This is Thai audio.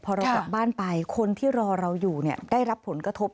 พอเรากลับบ้านไปคนที่รอเราอยู่ได้รับผลกระทบ